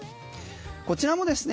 こちらもですね